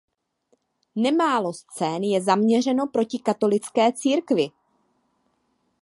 Nemálo scén je zaměřeno proti katolické církvi.